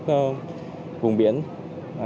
đồng thời cũng thực hiện gia quân